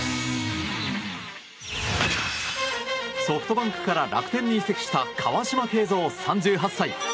ソフトバンクから楽天に移籍した川島慶三、３８歳。